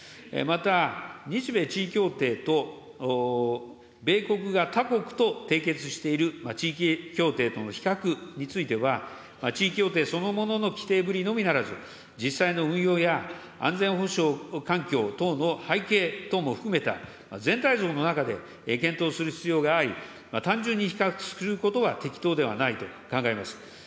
また、日米地位協定と米国が他国と締結している地域協定との比較については、地位協定そのものの規定ぶりのみならず、実際の運用や安全保障環境等の背景等も含めた全体像の中で検討する必要があり、単純に比較することは適当ではないと考えます。